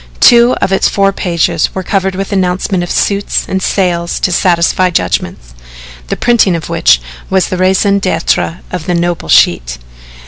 Two of its four pages were covered with announcements of suits and sales to satisfy judgments the printing of which was the raison d'etre of the noble sheet.